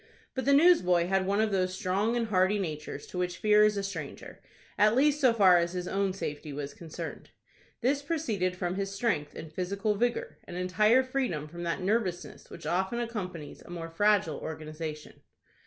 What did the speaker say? But the newsboy had one of those strong and hardy natures to which fear is a stranger,—at least so far as his own safety was concerned. This proceeded from his strength and physical vigor, and entire freedom from that nervousness which often accompanies a more fragile organization.